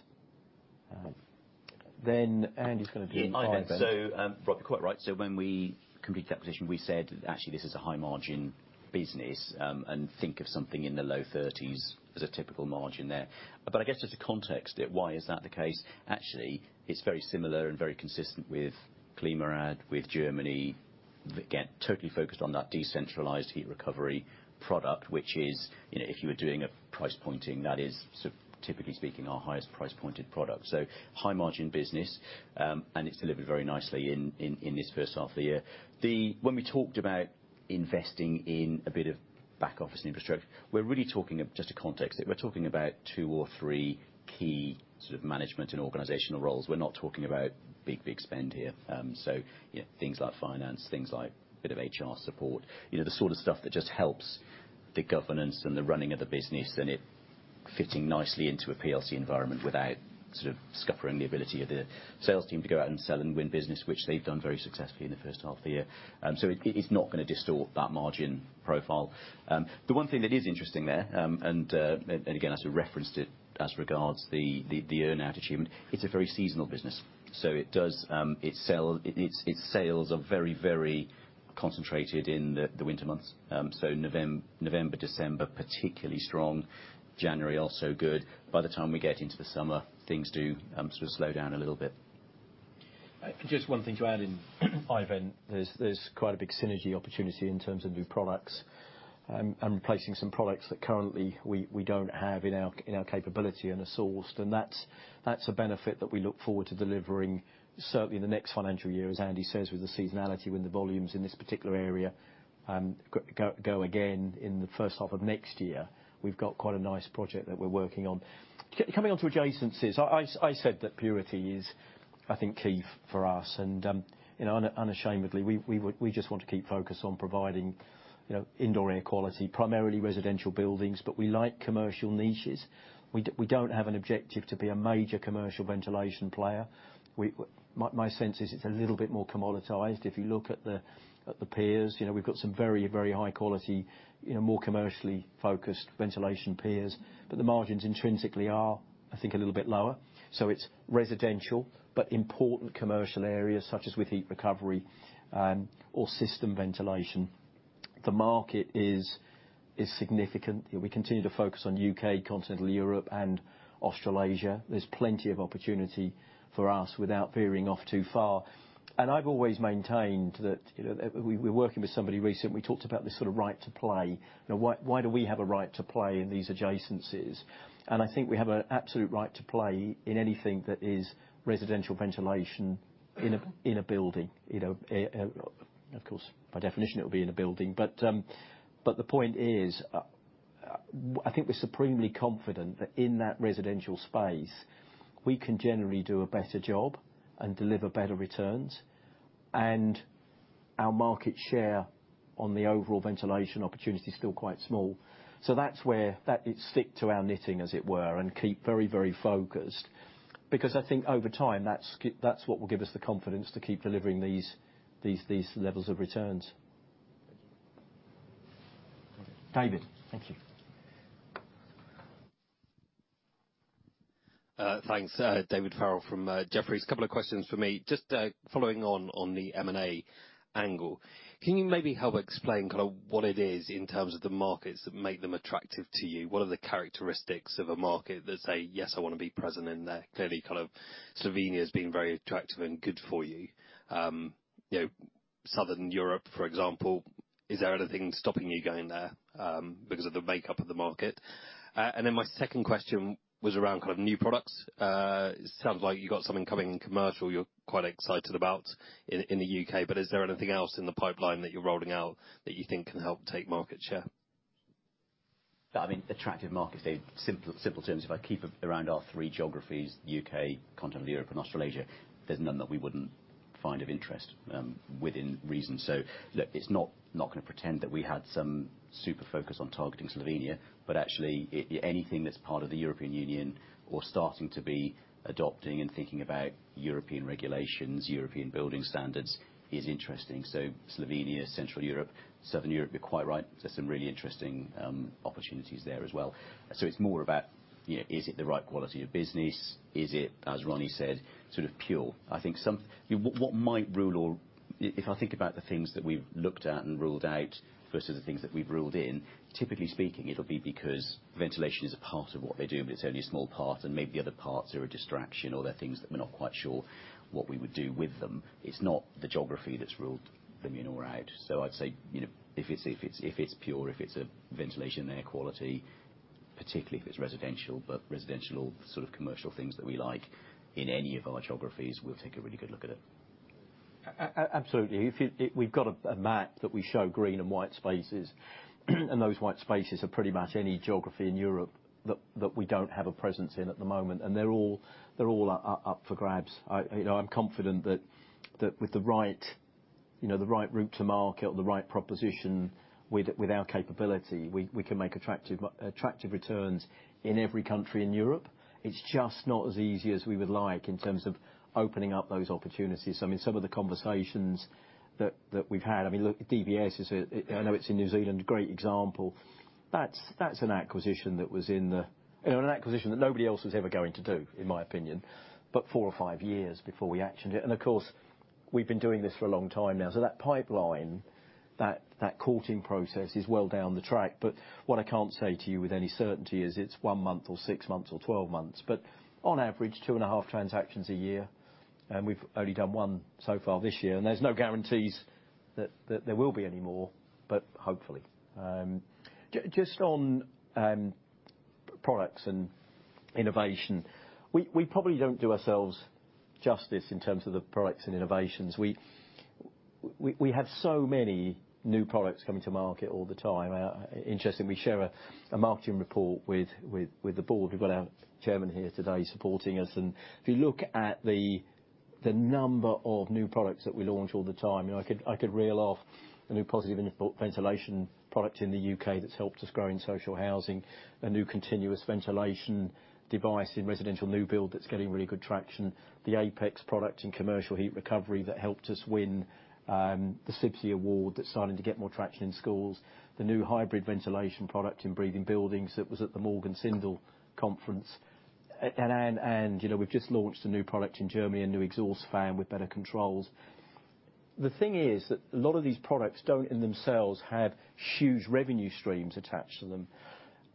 Then Andy's gonna do it. Yeah, so, Robert, quite right. So when we completed the acquisition, we said, actually, this is a high-margin business, and think of something in the low thirties as a typical margin there. But I guess just to context it, why is that the case? Actually, it's very similar and very consistent with ClimaRad, with Germany, again, totally focused on that decentralized heat recovery product, which is, you know, if you were doing a price pointing, that is, sort of typically speaking, our highest price pointed product. So high margin business, and it's delivered very nicely in this first half of the year. When we talked about investing in a bit of back office infrastructure, we're really talking of, just to context it, we're talking about two or three key sort of management and organizational roles. We're not talking about big, big spend here. So, you know, things like finance, things like a bit of HR support, you know, the sort of stuff that just helps the governance and the running of the business, and it fitting nicely into a PLC environment without sort of scuppering the ability of the sales team to go out and sell and win business, which they've done very successfully in the first half of the year. So it, it's not gonna distort that margin profile. The one thing that is interesting there, again, as we referenced it, as regards the earn-out achievement, it's a very seasonal business, so it does, its sales are very, very concentrated in the winter months. So November, December, particularly strong. January, also good. By the time we get into the summer, things do sort of slow down a little bit. Just one thing to add in, Ivan, there's quite a big synergy opportunity in terms of new products, and replacing some products that currently we don't have in our capability and are sourced, and that's a benefit that we look forward to delivering certainly in the next financial year, as Andy says, with the seasonality, when the volumes in this particular area go again in the first half of next year. We've got quite a nice project that we're working on. Coming onto adjacencies, I said that purity is, I think, key for us, and, you know, unashamedly, we would just want to keep focused on providing, you know, indoor air quality, primarily residential buildings, but we like commercial niches. We don't have an objective to be a major commercial ventilation player. Well, my sense is it's a little bit more commoditized. If you look at the peers, you know, we've got some very, very high quality, you know, more commercially focused ventilation peers, but the margins intrinsically are, I think, a little bit lower. So it's residential, but important commercial areas, such as with heat recovery or system ventilation. The market is significant. We continue to focus on UK, Continental Europe, and Australasia. There's plenty of opportunity for us without veering off too far. And I've always maintained that, you know, we, we're working with somebody recently, we talked about this sort of right to play. Now, why do we have a right to play in these adjacencies? And I think we have an absolute right to play in anything that is residential ventilation in a, in a building. You know, of course, by definition, it will be in a building, but, but the point is, I think we're supremely confident that in that residential space, we can generally do a better job and deliver better returns. And our market share on the overall ventilation opportunity is still quite small. So that's where that is, stick to our knitting, as it were, and keep very, very focused. Because I think over time, that's that's what will give us the confidence to keep delivering these, these, these levels of returns. David? Thank you. Thanks. David Farrell from Jefferies. A couple of questions for me. Just following on the M&A angle, can you maybe help explain kind of what it is in terms of the markets that make them attractive to you? What are the characteristics of a market that say, "Yes, I want to be present in there"? Clearly, kind of Slovenia has been very attractive and good for you. You know, Southern Europe, for example, is there anything stopping you going there because of the makeup of the market? And then my second question was around kind of new products. It sounds like you got something coming in commercial you're quite excited about in the U.K., but is there anything else in the pipeline that you're rolling out that you think can help take market share? I mean, attractive markets, Dave, simple, simple terms, if I keep it around our three geographies, UK, Continental Europe, and Australasia, there's none that we wouldn't find of interest, within reason. So look, it's not, not going to pretend that we had some super focus on targeting Slovenia, but actually, anything that's part of the European Union or starting to be adopting and thinking about European regulations, European building standards, is interesting. So Slovenia, Central Europe, Southern Europe, you're quite right. There's some really interesting, opportunities there as well. So it's more about, you know, is it the right quality of business? Is it, as Ronnie said, sort of pure? I think some... If I think about the things that we've looked at and ruled out versus the things that we've ruled in, typically speaking, it'll be because ventilation is a part of what they do, but it's only a small part, and maybe the other parts are a distraction, or they're things that we're not quite sure what we would do with them. It's not the geography that's ruled them in or out. So I'd say, you know, if it's, if it's, if it's pure, if it's a ventilation, air quality, particularly if it's residential, but residential sort of commercial things that we like in any of our geographies, we'll take a really good look at it. Absolutely. We've got a map that we show green and white spaces, and those white spaces are pretty much any geography in Europe that we don't have a presence in at the moment, and they're all up for grabs. You know, I'm confident that with the right, you know, the right route to market or the right proposition with our capability, we can make attractive returns in every country in Europe. It's just not as easy as we would like in terms of opening up those opportunities. I mean, some of the conversations that we've had, I mean, look, DVS is a, I know it's in New Zealand, great example. That's an acquisition that was in the... You know, an acquisition that nobody else was ever going to do, in my opinion, but 4 or 5 years before we actioned it. And of course, we've been doing this for a long time now. So that pipeline, that courting process is well down the track. But what I can't say to you with any certainty is it's 1 month or 6 months or 12 months, but on average, 2.5 transactions a year, and we've only done 1 so far this year, and there's no guarantees that there will be any more, but hopefully. Just on products and innovation, we probably don't do ourselves justice in terms of the products and innovations. We have so many new products coming to market all the time. Interestingly, we share a marketing report with the board. We've got our chairman here today supporting us, and if you look at the number of new products that we launch all the time, you know, I could reel off a new positive ventilation product in the U.K. that's helped us grow in social housing, a new continuous ventilation device in residential new build that's getting really good traction, the Apex product and commercial heat recovery that helped us win the CIBSE award that's starting to get more traction in schools, the new hybrid ventilation product in Breathing Buildings that was at the Morgan Sindall conference. And, you know, we've just launched a new product in Germany, a new exhaust fan with better controls. The thing is that a lot of these products don't, in themselves, have huge revenue streams attached to them,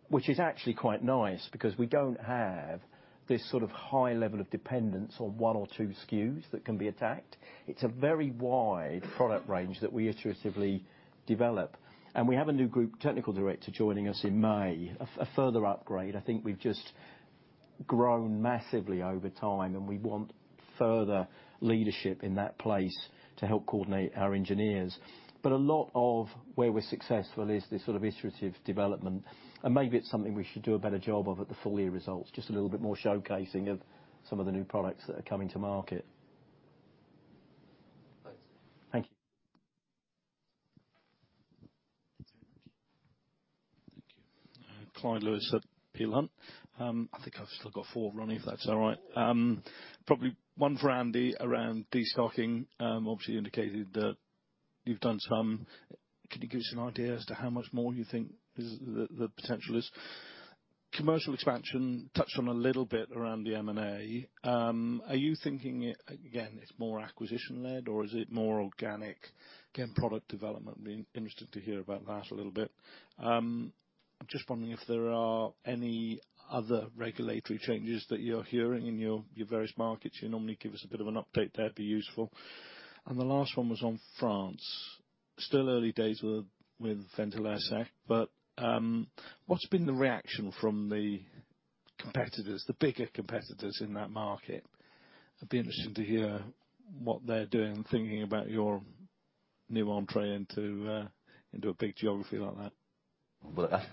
which is actually quite nice because we don't have this sort of high level of dependence on one or two SKUs that can be attacked. It's a very wide product range that we iteratively develop. And we have a new group technical director joining us in May, a further upgrade. I think we've just grown massively over time, and we want further leadership in that place to help coordinate our engineers. But a lot of where we're successful is this sort of iterative development, and maybe it's something we should do a better job of at the full year results, just a little bit more showcasing of some of the new products that are coming to market. Thanks. Thank you. Thank you. Clyde Lewis at Peel Hunt. I think I've still got four, Ronnie, if that's all right. Probably one for Andy around destocking. Obviously, you indicated that you've done some. Can you give us an idea as to how much more you think is the potential is? Commercial expansion, touched on a little bit around the M&A. Are you thinking, again, it's more acquisition-led, or is it more organic? Again, product development, I'd be interested to hear about that a little bit. Just wondering if there are any other regulatory changes that you're hearing in your various markets. You normally give us a bit of an update there, it'd be useful. And the last one was on France. Still early days with Ventilairsec, but what's been the reaction from the competitors, the bigger competitors in that market? I'd be interested to hear what they're doing and thinking about your products.... new entry into, into a big geography like that. Well,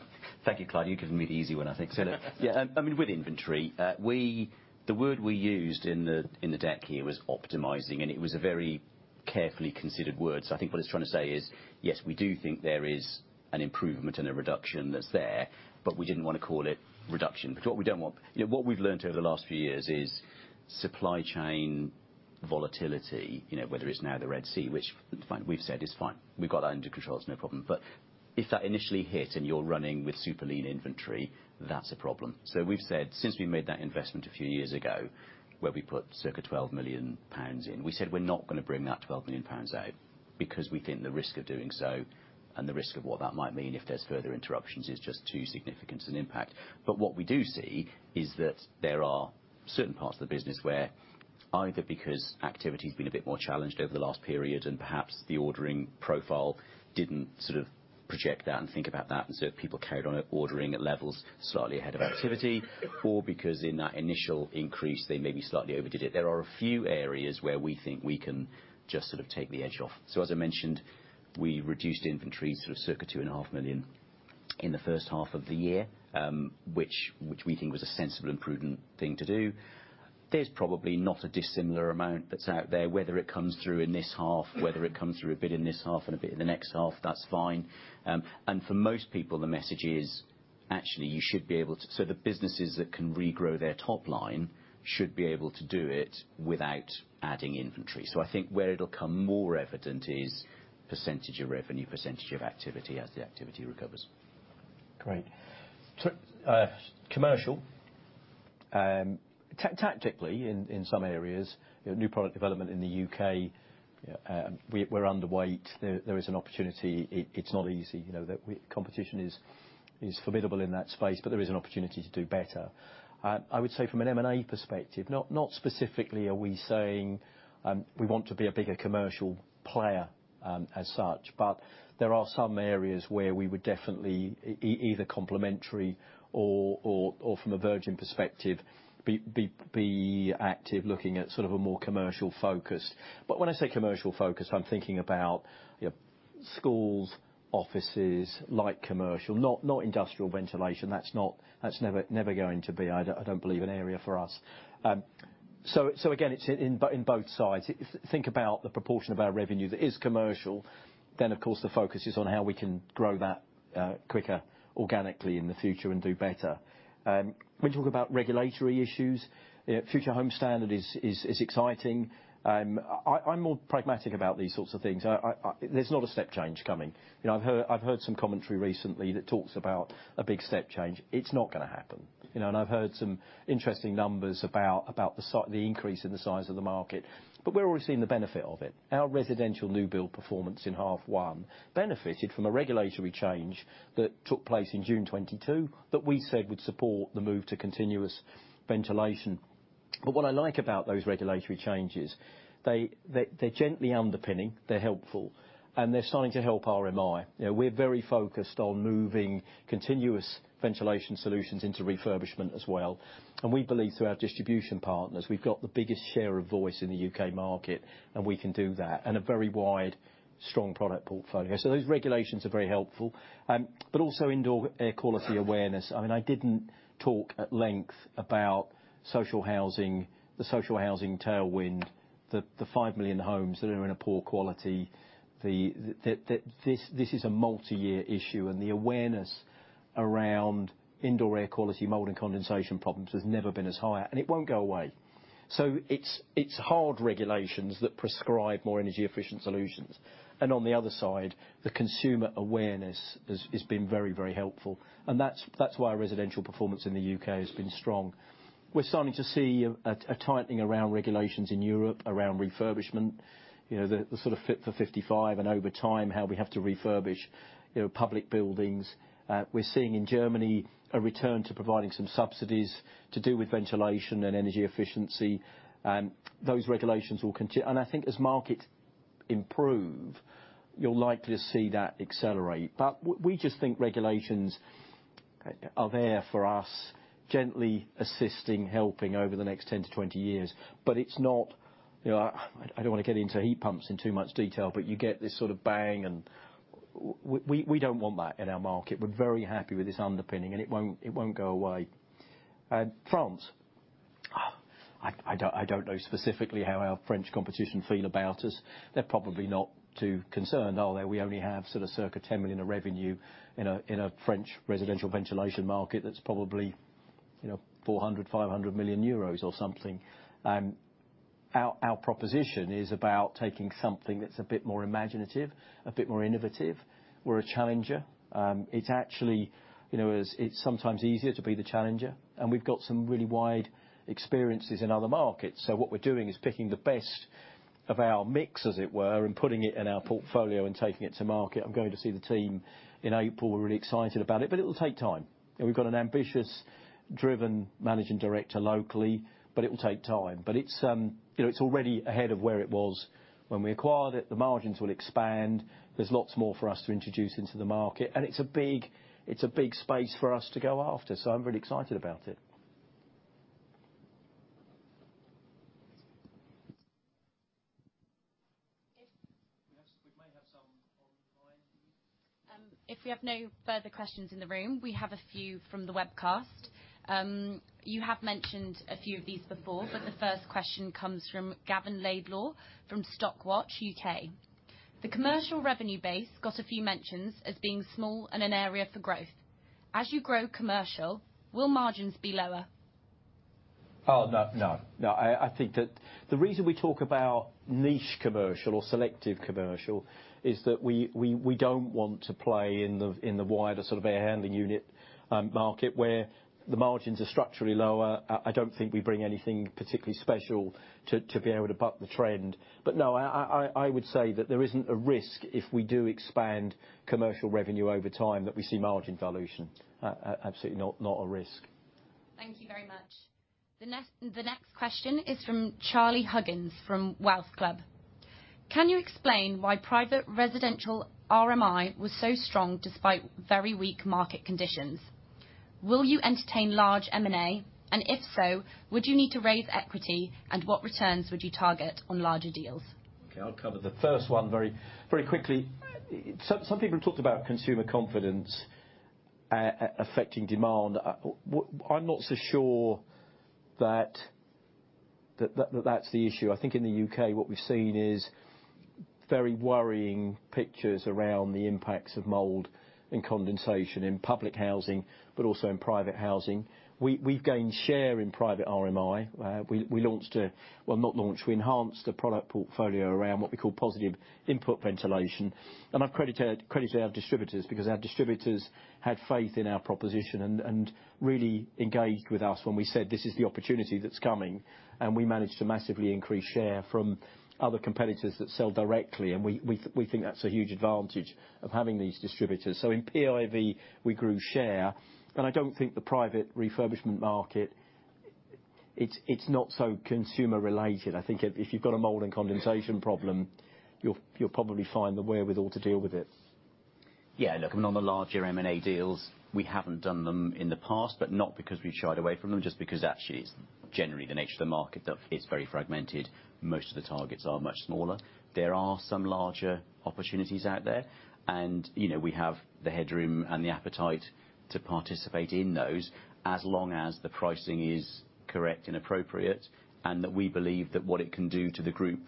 thank you, Clive. You've given me the easy one, I think. So, yeah, I mean, with inventory, the word we used in the deck here was optimizing, and it was a very carefully considered word. So I think what it's trying to say is, yes, we do think there is an improvement and a reduction that's there, but we didn't wanna call it reduction. Because what we don't want... You know, what we've learned over the last few years is supply chain volatility, you know, whether it's now the Red Sea, which we've said is fine, we've got that under control, it's no problem. But if that initially hit, and you're running with super lean inventory, that's a problem. So we've said, since we made that investment a few years ago, where we put circa 12 million pounds in, we said, we're not gonna bring that 12 million pounds out because we think the risk of doing so and the risk of what that might mean if there's further interruptions, is just too significant an impact. But what we do see is that there are certain parts of the business where either because activity's been a bit more challenged over the last period, and perhaps the ordering profile didn't sort of project that and think about that, and so people carried on ordering at levels slightly ahead of activity, or because in that initial increase, they maybe slightly overdid it. There are a few areas where we think we can just sort of take the edge off. So as I mentioned, we reduced inventory sort of circa 2.5 million in the first half of the year, which, which we think was a sensible and prudent thing to do. There's probably not a dissimilar amount that's out there, whether it comes through in this half, whether it comes through a bit in this half and a bit in the next half, that's fine. And for most people, the message is actually, you should be able to... So the businesses that can regrow their top line should be able to do it without adding inventory. So I think where it'll become more evident is percentage of revenue, percentage of activity as the activity recovers. Great. So, commercial, tactically, in some areas, new product development in the U.K., we're underweight. There is an opportunity. It's not easy, you know, the competition is formidable in that space, but there is an opportunity to do better. I would say from an M&A perspective, not specifically are we saying, we want to be a bigger commercial player, as such, but there are some areas where we would definitely either complementary or from a virgin perspective, be active, looking at sort of a more commercial focus. But when I say commercial focus, I'm thinking about, you know, schools, offices, light commercial, not industrial ventilation. That's not, that's never going to be, I don't believe, an area for us. So again, it's in both sides. Think about the proportion of our revenue that is commercial, then, of course, the focus is on how we can grow that quicker, organically in the future and do better. When you talk about regulatory issues, you know, Future Homes Standard is exciting. I'm more pragmatic about these sorts of things. There's not a step change coming. You know, I've heard some commentary recently that talks about a big step change. It's not gonna happen. You know, and I've heard some interesting numbers about the increase in the size of the market, but we're already seeing the benefit of it. Our residential new build performance in half one benefited from a regulatory change that took place in June 2022, that we said would support the move to continuous ventilation. But what I like about those regulatory changes, they, they're gently underpinning, they're helpful, and they're starting to help RMI. You know, we're very focused on moving continuous ventilation solutions into refurbishment as well. And we believe through our distribution partners, we've got the biggest share of voice in the U.K. market, and we can do that, and a very wide, strong product portfolio. So those regulations are very helpful. But also indoor air quality awareness. I mean, I didn't talk at length about social housing, the social housing tailwind, the 5 million homes that are in a poor quality. This is a multi-year issue, and the awareness around indoor air quality, mold, and condensation problems has never been as high, and it won't go away. So it's hard regulations that prescribe more energy-efficient solutions. And on the other side, the consumer awareness has been very, very helpful, and that's why residential performance in the U.K. has been strong. We're starting to see a tightening around regulations in Europe, around refurbishment, you know, the sort of Fit for 55, and over time, how we have to refurbish, you know, public buildings. We're seeing in Germany a return to providing some subsidies to do with ventilation and energy efficiency, and those regulations will continue. And I think as markets improve, you're likely to see that accelerate. But we just think regulations are there for us, gently assisting, helping over the next 10 to 20 years. But it's not, you know, I don't want to get into heat pumps in too much detail, but you get this sort of bang, and we don't want that in our market. We're very happy with this underpinning, and it won't go away. And France, oh, I don't know specifically how our French competition feel about us. They're probably not too concerned, are they? We only have sort of circa 10 million of revenue in a French residential ventilation market that's probably, you know, 400 million-500 million euros or something. Our proposition is about taking something that's a bit more imaginative, a bit more innovative. We're a challenger. It's actually, you know, as... It's sometimes easier to be the challenger, and we've got some really wide experiences in other markets. So what we're doing is picking the best of our mix, as it were, and putting it in our portfolio and taking it to market. I'm going to see the team in April. We're really excited about it, but it'll take time. And we've got an ambitious, driven managing director locally, but it will take time. But it's, you know, it's already ahead of where it was when we acquired it. The margins will expand. There's lots more for us to introduce into the market, and it's a big, it's a big space for us to go after, so I'm really excited about it.... If- We have, we may have some online views. If we have no further questions in the room, we have a few from the webcast. You have mentioned a few of these before, but the first question comes from Gavin Laidlaw from Stockwatch UK: "The commercial revenue base got a few mentions as being small and an area for growth. As you grow commercial, will margins be lower? Oh, no, no. No, I think that the reason we talk about niche commercial or selective commercial is that we don't want to play in the wider sort of air handling unit market, where the margins are structurally lower. I don't think we bring anything particularly special to be able to buck the trend. But no, I would say that there isn't a risk if we do expand commercial revenue over time, that we see margin dilution. Absolutely not, not a risk. Thank you very much. The next question is from Charlie Huggins from Wealth Club: "Can you explain why private residential RMI was so strong despite very weak market conditions? Will you entertain large M&A, and if so, would you need to raise equity, and what returns would you target on larger deals? Okay, I'll cover the first one very, very quickly. Some people talked about consumer confidence, affecting demand. Well, I'm not so sure that that's the issue. I think in the U.K., what we've seen is very worrying pictures around the impacts of mold and condensation in public housing, but also in private housing. We've gained share in private RMI. Well, not launched, we enhanced the product portfolio around what we call positive input ventilation. And I've given credit to our distributors, because our distributors had faith in our proposition and really engaged with us when we said, "This is the opportunity that's coming," and we managed to massively increase share from other competitors that sell directly, and we think that's a huge advantage of having these distributors. So in PIV, we grew share, and I don't think the private refurbishment market, it's not so consumer related. I think if you've got a mold and condensation problem, you'll probably find the wherewithal to deal with it. Yeah, look, and on the larger M&A deals, we haven't done them in the past, but not because we've shied away from them, just because actually it's generally the nature of the market that it's very fragmented, most of the targets are much smaller. There are some larger opportunities out there, and, you know, we have the headroom and the appetite to participate in those, as long as the pricing is correct and appropriate, and that we believe that what it can do to the group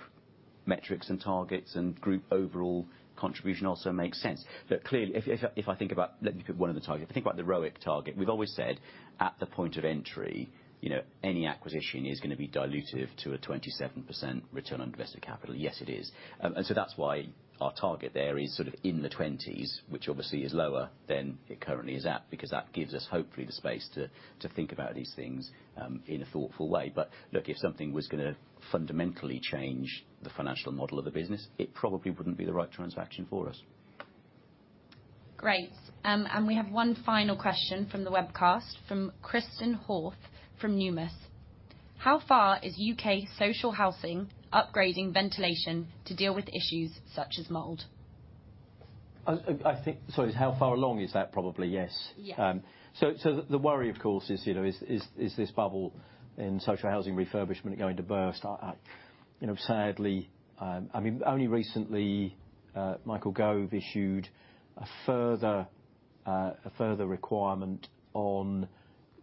metrics and targets and group overall contribution also makes sense. Look, clearly, if I think about... Let me pick one of the targets. If you think about the ROIC target, we've always said, at the point of entry, you know, any acquisition is gonna be dilutive to a 27% return on invested capital. Yes, it is. And so that's why our target there is sort of in the 20s, which obviously is lower than it currently is at, because that gives us hopefully the space to think about these things in a thoughtful way. But look, if something was gonna fundamentally change the financial model of the business, it probably wouldn't be the right transaction for us. Great. And we have one final question from the webcast, from Christen Hjorth from Numis: "How far is U.K. social housing upgrading ventilation to deal with issues such as mold? I think, sorry, how far along is that, probably, yes? Yes. So the worry, of course, is, you know, is this bubble in social housing refurbishment going to burst? I, you know, sadly, I mean, only recently, Michael Gove issued a further requirement on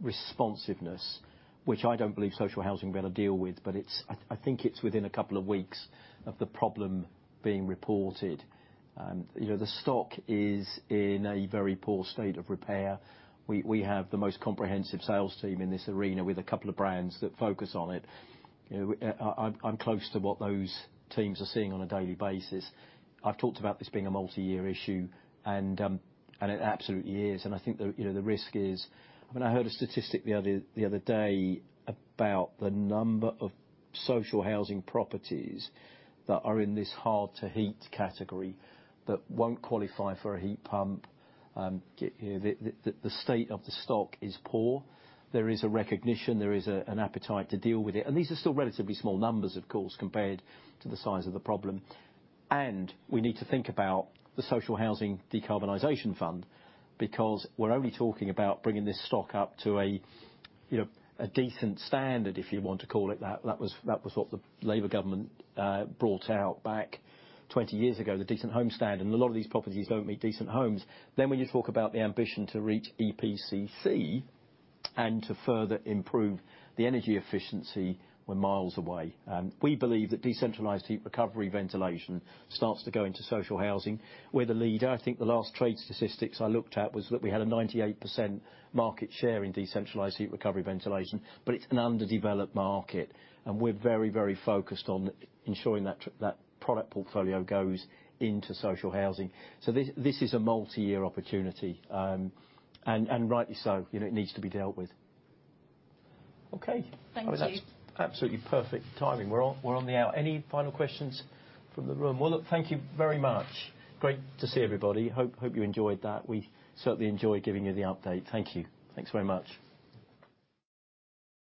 responsiveness, which I don't believe social housing are gonna deal with, but it's—I think it's within a couple of weeks of the problem being reported. You know, the stock is in a very poor state of repair. We have the most comprehensive sales team in this arena with a couple of brands that focus on it. You know, I'm close to what those teams are seeing on a daily basis. I've talked about this being a multi-year issue, and it absolutely is, and I think, you know, the risk is... I mean, I heard a statistic the other day about the number of social housing properties that are in this hard to heat category, that won't qualify for a heat pump, you know, the state of the stock is poor. There is a recognition, there is an appetite to deal with it, and these are still relatively small numbers, of course, compared to the size of the problem. We need to think about the Social Housing Decarbonisation Fund, because we're only talking about bringing this stock up to a, you know, a decent standard, if you want to call it that. That was what the labor government brought out back 20 years ago, the Decent Homes Standard, and a lot of these properties don't meet Decent Homes. Then, when you talk about the ambition to reach EPC C and to further improve the energy efficiency, we're miles away. We believe that decentralized heat recovery ventilation starts to go into social housing. We're the leader. I think the last trade statistics I looked at was that we had a 98% market share in decentralized heat recovery ventilation, but it's an underdeveloped market, and we're very, very focused on ensuring that that product portfolio goes into social housing. So this, this is a multi-year opportunity, and, and rightly so. You know, it needs to be dealt with. Okay. Thank you. Oh, that's absolutely perfect timing. We're on, we're on the hour. Any final questions from the room? Well, look, thank you very much. Great to see everybody. Hope, hope you enjoyed that. We certainly enjoyed giving you the update. Thank you. Thanks very much.